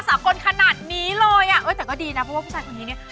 แต่ก็ดีนะเพราะว่าผู้ชายคนนี้เนี่ย